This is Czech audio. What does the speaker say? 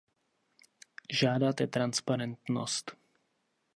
Žádáte transparentnost.